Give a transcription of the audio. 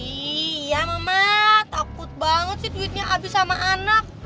iya mama takut banget sih tweetnya abis sama anak